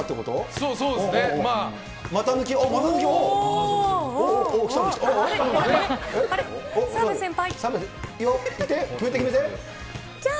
そうですね、まあ。